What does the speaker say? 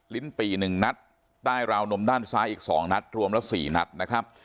ลิ้นปีหนึ่งนัดใต้ราวนมด้านซ้ายอีกสองนัดรวมแล้วสี่นัดนะครับ